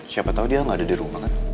siapa tau dia ga ada dirumah kan